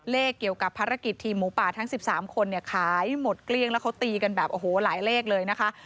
เลขเกี่ยวกับภารกิจทีมหมูป่าทั้ง๑๓คนเนี่ยขายหมดเกลี้ยงแล้วเขาตีกันแบบโอ้โหหลายเลขเลยนะคะ